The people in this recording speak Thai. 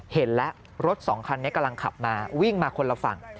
เห็นแล้วรถสองคันนี้กำลังขับมาวิ่งมาคนละฝั่ง